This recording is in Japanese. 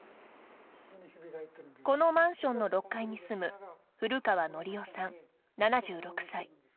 このマンションの６階に住む古川憲生さん、７６歳。